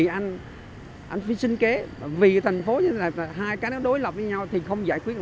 là quận trung tâm của thành phố hải châu có tất cả hai trăm năm mươi hai tuyến đường